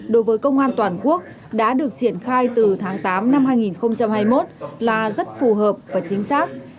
đối với công an toàn quốc đã được triển khai từ tháng tám năm hai nghìn hai mươi một là rất phù hợp và chính xác